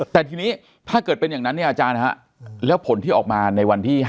แต่ทีนี้ถ้าเกิดเป็นอย่างนั้นเนี่ยอาจารย์ฮะแล้วผลที่ออกมาในวันที่๕